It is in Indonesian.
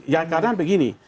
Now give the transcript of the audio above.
ya karena begini